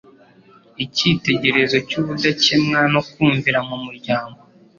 icyitegerezo cy'ubudakemwa no kumvira mu muryango